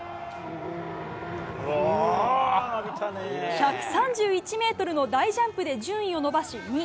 １３１ｍの大ジャンプで順位を伸ばし２位。